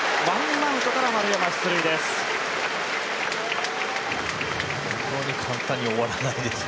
１アウトから丸山出塁です。